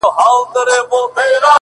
• عبدالباري جهاني: د مولوي له مثنوي څخه,